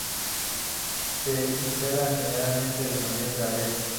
Se hiela generalmente de noviembre a abril.